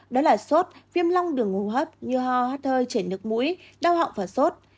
đó là sốt viêm long đường ngô hấp như ho hát thơi chảy nước mũi đau họng và sốt